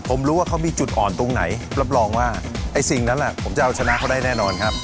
ผมรู้ว่าเขามีจุดอ่อนตรงไหนรับรองว่าไอ้สิ่งนั้นผมจะเอาชนะเขาได้แน่นอนครับ